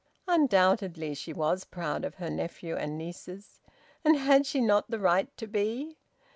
Undoubtedly she was proud of her nephew and nieces. And had she not the right to be?